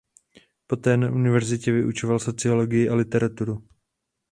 Poté na univerzitě vyučoval sociologii a literaturu.